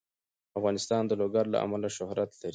افغانستان د لوگر له امله شهرت لري.